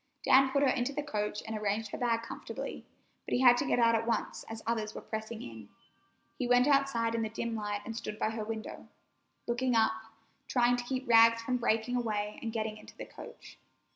Dan put her into the coach and arranged her bag comfortably, but he had to get out at once, as others were pressing in. He went outside in the dim light and stood by her window, looking up, trying to keep Rags from breaking away and getting into the coach.